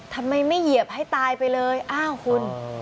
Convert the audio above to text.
ทำไมไม่เหยียบให้ตายไปเลยอ้าวคุณ